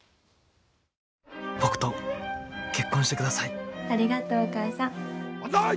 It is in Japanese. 僕と結婚してください。